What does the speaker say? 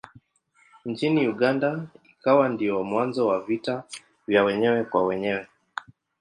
Nchini Uganda ikawa ndiyo mwanzo wa vita vya wenyewe kwa wenyewe.